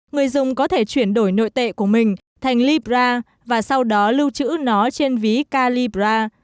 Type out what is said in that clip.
người dùng có thể chuyển đổi nội tệ của mình thành libra và sau đó lưu trữ nó trên ví calibra